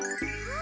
あ！